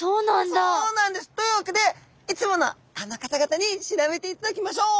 そうなんです！というわけでいつものあの方々に調べていただきましょう。